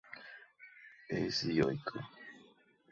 Es dioico.